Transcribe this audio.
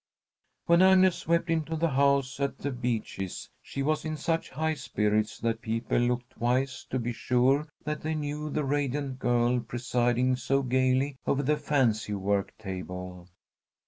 When Agnes swept into the house at The Beeches, she was in such high spirits that people looked twice to be sure that they knew the radiant girl presiding so gaily over the fancy work table.